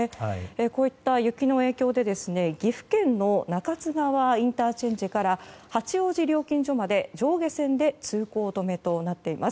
こういった雪の影響で、岐阜県の中津川ＩＣから八王子料金所まで上下線で通行止めとなっています。